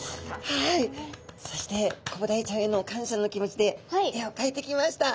はいそしてコブダイちゃんへの感謝の気持ちで絵をかいてきました。